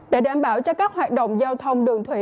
để đảm bảo cho các hoạt động giao thông đường thủy